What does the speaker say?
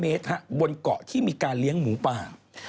เมตรบนเกาะที่มีการเลี้ยงหมูป่า